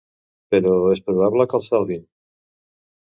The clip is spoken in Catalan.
Però és probable que el salvin.